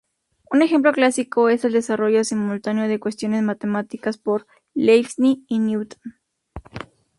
Un ejemplo clásico es el desarrollo simultáneo de cuestiones matemáticas por Leibniz y Newton.